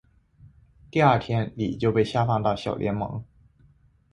第二天李就被下放到小联盟。